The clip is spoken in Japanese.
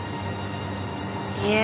いえ。